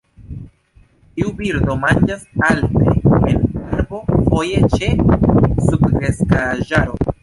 Tiu birdo manĝas alte en arbo, foje ĉe subkreskaĵaro.